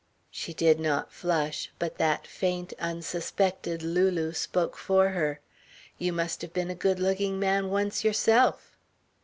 She did not flush, but that faint, unsuspected Lulu spoke for her: "You must have been a good looking man once yourself."